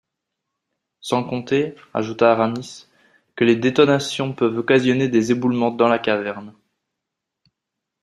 Sans compter, ajouta Aramis, que les détonations peuvent occasionner des éboulements dans la caverne.